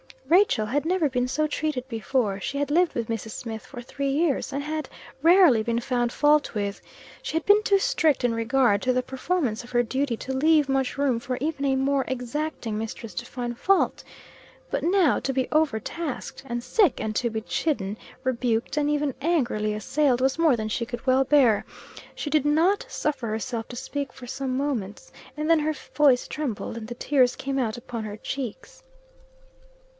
Rachel had never been so treated before; she had lived with Mrs. Smith, for three years, and had rarely been found fault with. She had been too strict in regard, to the performance of her duty to leave much room for even a more exacting mistress to find fault; but now, to be overtasked and sick, and to be chidden, rebuked, and even angrily assailed, was more than she could well bear. She did not suffer herself to speak for some moments, and then her voice trembled, and the tears came out upon her cheeks.